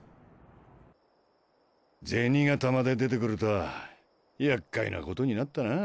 銭形まで出て来るとは厄介なことになったなぁ。